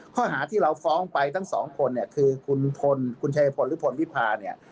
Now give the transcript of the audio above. ข้อหาที่เราฟ้องไปทั้งสองคนเนี่ยคือคุณพลคุณชายพลหรือพลวิพาเนี่ย